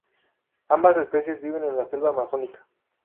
Ambas especies viven en la selva amazónica.